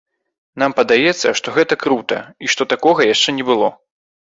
Нам падаецца, што гэта крута, і што такога яшчэ не было.